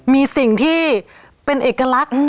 มีสิ่งที่เป็นเอกลักษณ์